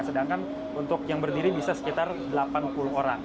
sedangkan untuk yang berdiri bisa sekitar delapan puluh orang